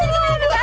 si jejen kemana